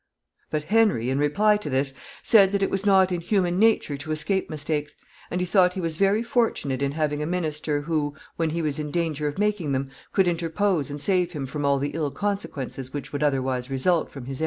But Henry, in reply to this, said that it was not in human nature to escape mistakes, and he thought he was very fortunate in having a minister who, when he was in danger of making them, could interpose and save him from the ill consequences which would otherwise result from his errors.